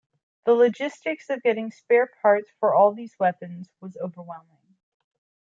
The logistics of getting spare parts for all these weapons was overwhelming.